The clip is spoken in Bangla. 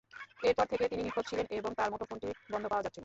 এরপর থেকে তিনি নিখোঁজ ছিলেন এবং তাঁর মুঠোফোনটি বন্ধ পাওয়া যাচ্ছিল।